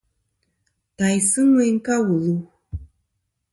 Tàysɨ ŋweyn ka wù lu.